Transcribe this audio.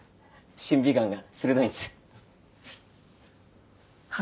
審美眼が鋭いんす。